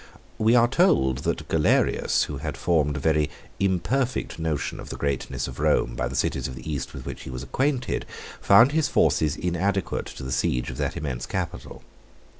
We are told that Galerius, who had formed a very imperfect notion of the greatness of Rome by the cities of the East with which he was acquainted, found his forces inadequate to the siege of that immense capital.